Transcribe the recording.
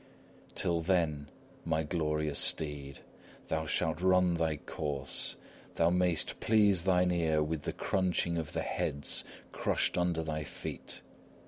Till then, my glorious steed, thou shalt run thy course; thou mayst please thine ear with the crunching of the heads crushed under thy feet.